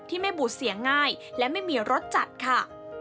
ไม่บูดเสียงง่ายและไม่มีรสจัดค่ะ